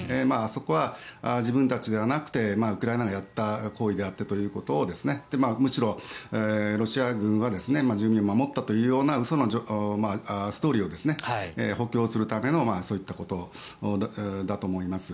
そこは自分たちではなくてウクライナがやった行為ということでむしろ、ロシア軍は住民を守ったというような嘘のストーリーを補強するためのそういったことだと思います。